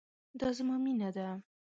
دا زما مينه ده